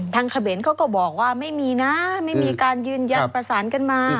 เขมรเขาก็บอกว่าไม่มีนะไม่มีการยืนยันประสานกันมา